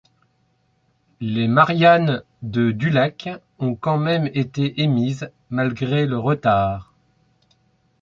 Les Marianne de Dulac ont quand même été émises malgré le retard.